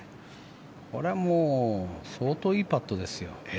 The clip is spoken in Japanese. これはもう相当いいパットですよ。